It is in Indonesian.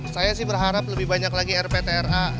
saya sih berharap lebih banyak lagi rptra